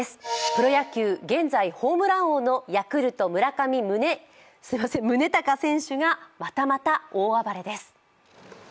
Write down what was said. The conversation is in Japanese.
プロ野球、現在ホームラン王のヤクルト・村上宗隆選手がまたまだ大暴れです。